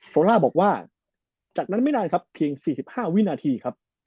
โซล่าบอกว่าจากนั้นไม่นานครับเพียง๔๕วินาทีครับ